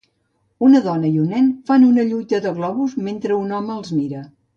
Una dona i un nen fan una lluita de globus mentre un home els mira.